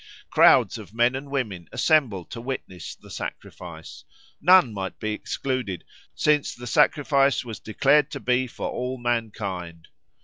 Crowds of men and women assembled to witness the sacrifice; none might be excluded, since the sacrifice was declared to be for all mankind.